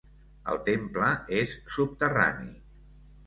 El temple és subterrani.